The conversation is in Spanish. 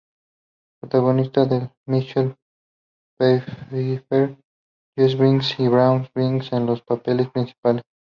Protagonizada por Michelle Pfeiffer, Jeff Bridges y Beau Bridges en los papeles principales.